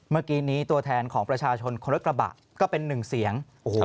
เมื่อกี้นี้ตัวแทนของประชาชนคนรถกระบะก็เป็นหนึ่งเสียง